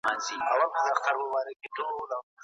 ایا ستا په ذهن کي کومه نوي طرحه سته؟